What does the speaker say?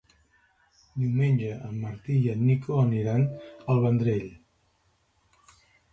Diumenge en Martí i en Nico aniran al Vendrell.